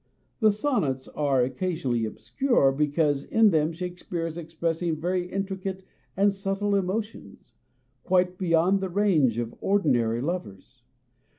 The Sonnets are occasionally obscure because in them Shakespeare is expressing very intricate and subtle emotions, quite beyond the range of ordinary lovers.